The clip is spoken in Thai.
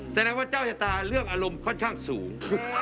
แสดงว่าเจ้าชะตาเรื่องอารมณ์ค่อนข้างสูง